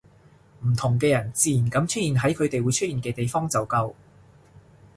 唔同嘅人自然噉出現喺佢哋會出現嘅地方就夠